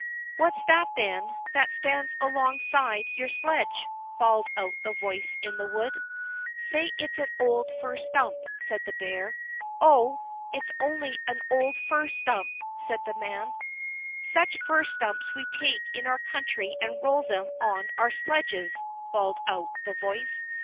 "What's that, then, that stands alongside your sledge?" bawled out the voice in the wood. "Say it's an old fir stump," said the bear. "Oh, it's only an old fir stump," said the man. "Such fir stumps we take in our country and roll them on our sledges," bawled out the voice.